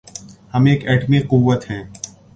ہم ایک ایٹمی قوت ہیں۔